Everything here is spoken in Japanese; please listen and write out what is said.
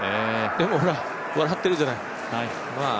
でも笑ってるじゃない？